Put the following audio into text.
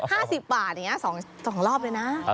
๕๐บาทอย่างเนี่ย๒รอบเลยนะ